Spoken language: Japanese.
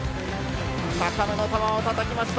高めの球をたたきました。